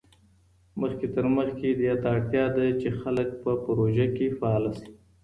مخکي تر مخکي، دې ته اړتیا ده چي خلګ په پروژه کي فعاله سي.